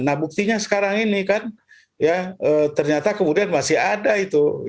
nah buktinya sekarang ini kan ya ternyata kemudian masih ada itu